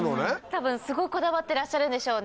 多分すごいこだわってらっしゃるんでしょうね。